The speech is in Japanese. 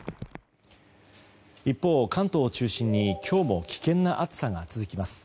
一方、関東を中心に今日も危険な暑さが続きます。